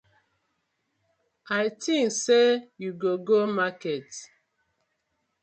A tink sey you go market.